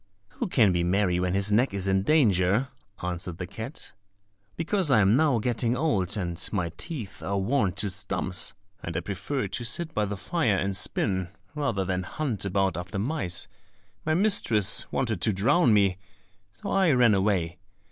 "Who can be merry when his neck is in danger?" answered the cat. "Because I am now getting old, and my teeth are worn to stumps, and I prefer to sit by the fire and spin, rather than hunt about after mice, my mistress wanted to drown me, so I ran away.